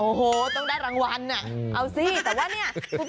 โอ้โหต้องได้รางวัลอ่ะเอาสิแต่ว่าเนี่ย